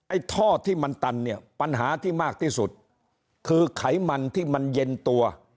ท่อที่มันตันเนี่ยปัญหาที่มากที่สุดคือไขมันที่มันเย็นตัว